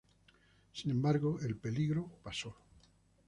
Sin embargo, el peligro pasó.